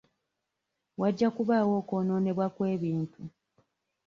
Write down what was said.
Wajja kubaawo okwonoonebwa kw'ebintu.